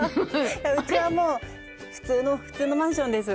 うちはもう、普通の普通のマンションです。